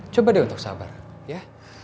coba deh untuk sabar ya